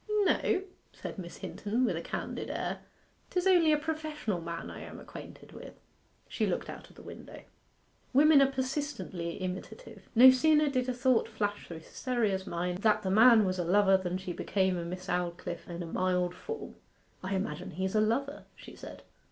'No,' said Miss Hinton, with a candid air. ''Tis only a professional man I am acquainted with.' She looked out of the window. Women are persistently imitative. No sooner did a thought flash through Cytherea's mind that the man was a lover than she became a Miss Aldclyffe in a mild form. 'I imagine he's a lover,' she said.